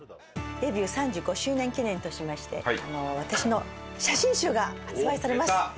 デビュー３５周年記念としまして私の写真集が発売されます。